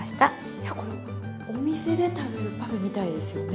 いやこれお店で食べるパフェみたいですよね。